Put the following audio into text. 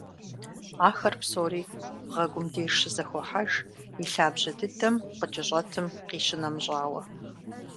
Ахэр псори бгъэгум деж щызэхохьэж, и лъабжьэ дыдэм къыкӏэщӏэтым къищынэмыщӏауэ.